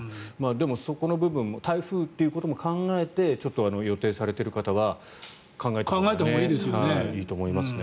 でも、そこの部分も台風ということも考えてちょっと予定されている方は考えたほうがいいと思いますね。